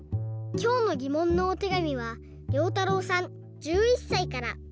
きょうのぎもんのおてがみはりょうたろうさん１１さいから。